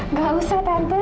nggak usah tante